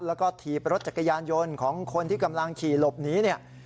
แล้วก็ทีบรถจักรยานยนต์ของคนที่กำลังขี่รถนี้